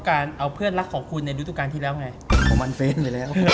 ก็เลยอยากให้แบบมา